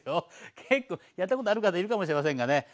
結構やったことある方いるかもしれませんがね。